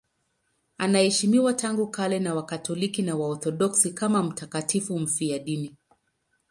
Anaheshimiwa tangu kale na Wakatoliki na Waorthodoksi kama mtakatifu mfiadini.